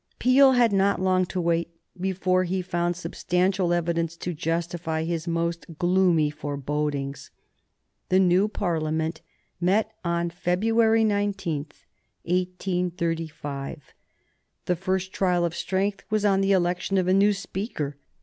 Peel had not long to wait before he found substantial evidence to justify his most gloomy forebodings. The new Parliament met on February 19, 1835. The first trial of strength was on the election of a new Speaker.